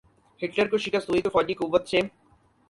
Hitler کو شکست ہوئی تو فوجی قوت سے۔